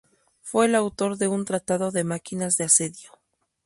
Fue el autor de un tratado de máquinas de asedio.